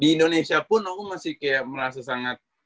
di indonesia pun aku masih kayak merasa sangat